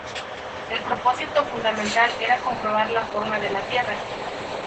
El propósito fundamental era comprobar la forma de la Tierra.